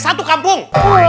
oh satu kampung